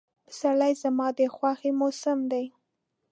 پسرلی زما د خوښې موسم دی.